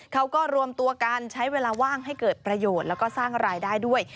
เขาก็รวมตัวกันใช้เวลาว่างให้เกิดประโยชน์แล้วก็สร้างรายได้ด้วย